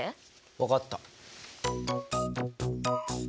わかった。